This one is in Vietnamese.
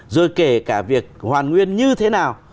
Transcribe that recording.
rồi kể cả việc hoàn nguyên như thế nào